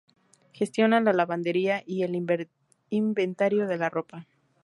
Gestiona la lavandería y el inventario de la ropa.